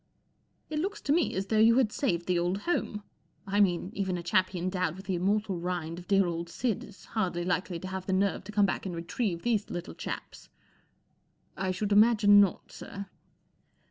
" It looks to me as though you had saved the old home. I mean, even a chappie endowed with the immortal rind of dear old Sid is hardly likely to have the nerve to come back and retrieve these little chaps." " I should imagine not, sir."